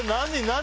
何？